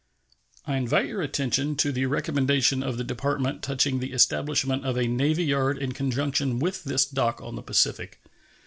I invite your attention to the recommendation of the Department touching the establishment of a navy yard in conjunction with this dock on the Pacific.